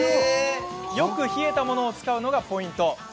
よく冷えたものを使うことがポイントです。